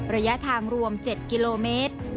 ระยะทางรวม๗กิโลเมตร